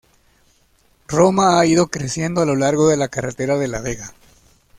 Roma ha ido creciendo a lo largo de la carretera de la vega.